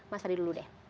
mas fadi dulu deh